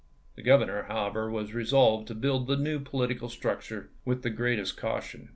The Governor, how ibid, ever, was resolved to build the new political struc ture with the greatest caution.